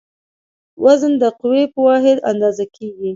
وزن د قوې په واحد اندازه کېږي.